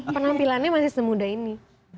penampilannya masih semudah ini